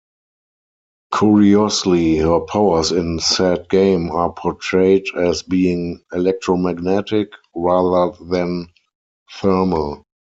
Curiously, her powers in said game are portrayed as being electromagnetic rather than thermal.